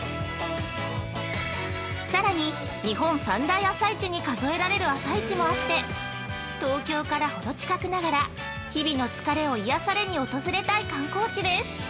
さらに、日本三大朝市に数えられる朝市もあって東京からほど近くながら日々の疲れを癒やされに訪れたい観光地です。